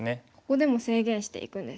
ここでも制限していくんですね。